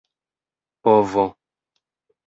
povo